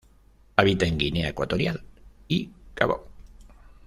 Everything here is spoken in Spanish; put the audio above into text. Habita en Guinea Ecuatorial y Gabón.